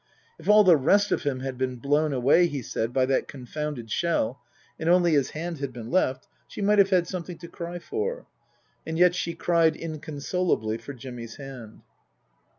If all the rest of him had been blown away, he said, by that confounded shell, and only his hand had been left, she might have had something to cry for. And yet she cried inconsolably for Jimmy's hand.